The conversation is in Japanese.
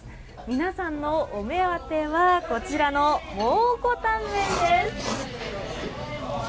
皆さんのお目当てはこちらの蒙古タンメンです。